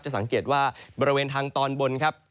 สังเกตว่าบริเวณทางตอนบนครับ